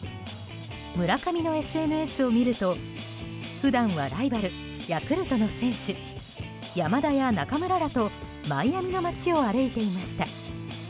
村上のＳＮＳを見ると普段はライバルヤクルトの選手山田や中村らとマイアミの街を歩いていました。